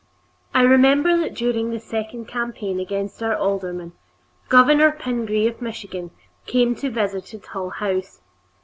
I remember that during the second campaign against our alderman, Governor Pingree of Michigan came to visit at Hull House.